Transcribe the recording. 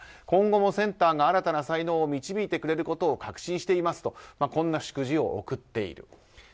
今後もセンターが新たな才能を導いてくれることを確信していますとこんな祝辞を送っている。